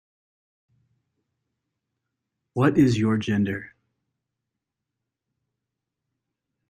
What is your gender?